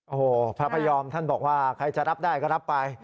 โอ้โหพระพยอมท่านบอกว่าใครจะรับได้ก็รับไป